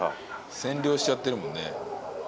占領しちゃってるもんね。